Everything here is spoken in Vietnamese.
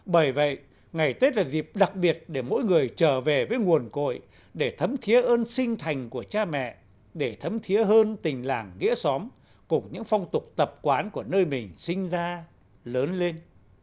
bởi vậy ngày tết là dịp đặc biệt để mỗi người trở về với nguồn cội để thấm thiế ơn sinh thành của cha mẹ để thấm thiế hơn tình làng nghĩa xóm cùng những phong tục tập quán của nơi mình sinh ra lớn lên